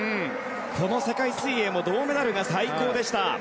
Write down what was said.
この世界水泳も銅メダルが最高でした。